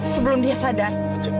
sebelum dia sadar